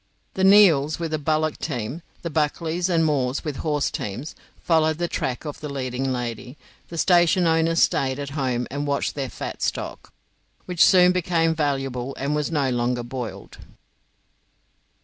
The Neills, with a bullock team, the Buckleys and Moores, with horse teams, followed the track of the leading lady. The station owners stayed at home and watched their fat stock, which soon became valuable, and was no longer boiled.